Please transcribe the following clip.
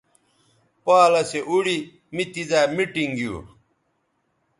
پالسے اوڑی می تیزائ میٹنگ گیو